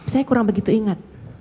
saya kurang begitu ingat